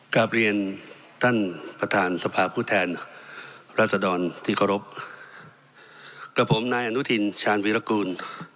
กลับเรียนท่านประธานสภาพผู้แทนรัศดรที่เคารพกับผมนายอนุทินชาญวิรากูล